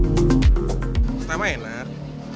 jangan lupa like share dan subscribe ya